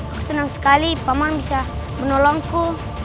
aku senang sekali pak mohon bisa menolongku